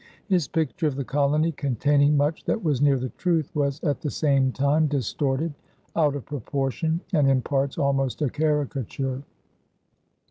His picture of the colony, containing much that was near the truth, was at the same time distorted, out of proportion, and in parts almost a caricature.